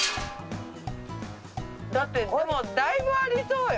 だってでもだいぶありそうよ。